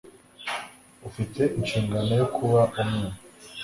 ufite inshingano yo kuba umwe